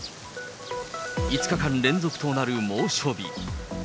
５日間連続となる猛暑日。